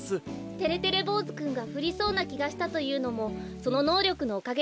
てれてれぼうずくんがふりそうなきがしたというのもそののうりょくのおかげですね。